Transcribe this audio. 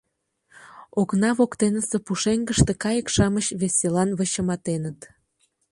Окна воктенысе пушеҥгыште кайык-шамыч веселан вычыматеныт.